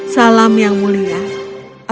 salam yang mulia